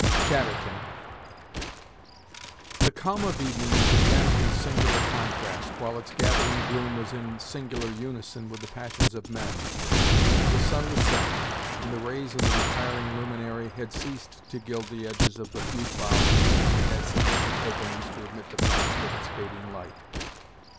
Chatterton. The calm of evening was again in singular contrast, while its gathering gloom was in as singular unison with the passions of men. The sun was set, and the rays of the retiring luminary had ceased to gild the edges of the few clouds that had sufficient openings to admit the passage of its fading light.